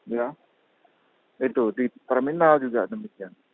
ya itu di terminal juga demikian